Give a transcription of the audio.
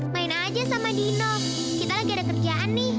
main aja sama dino kita lagi ada kerjaan nih